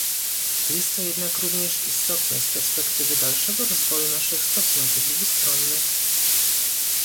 Jest to jednak również istotne z perspektywy dalszego rozwoju naszych stosunków dwustronnych